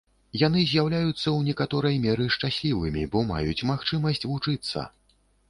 Яны з'яўляюцца ў некаторай меры шчаслівымі, бо маюць магчымасць вучыцца.